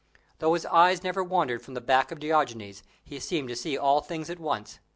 Though his eye never wandered from the back of Diogenes, he seemed to see all things at once.